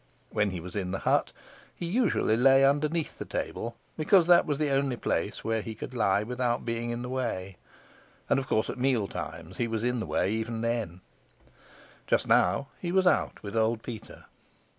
When he was in the hut he usually lay underneath the table, because that was the only place where he could lie without being in the way. And, of course at meal times he was in the way even there. Just now he was out with old Peter.